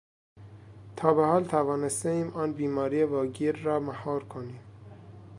تا به حال توانستهایم آن بیماری واگیر را مهار کنیم.